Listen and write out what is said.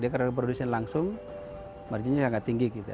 karena reproduksi langsung marginnya sangat tinggi